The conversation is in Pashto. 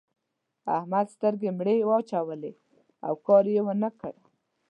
احمد سترګې مړې واچولې؛ او کار يې و نه کړ.